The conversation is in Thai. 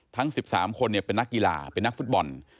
ทั้ง๑๓คนเป็นนักกีฬาเป็นนักฟุตบอล